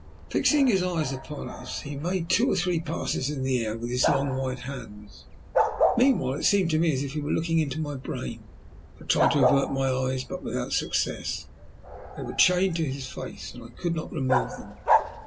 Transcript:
Fixing his eyes upon us he made two or three passes in the air with his long white hands. Meanwhile, it seemed to me as if he were looking into my brain. I tried to avert my eyes, but without success. They were chained to his face, and I could not remove them.